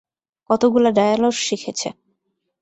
কতগুলা ডায়লগ শিখেছে।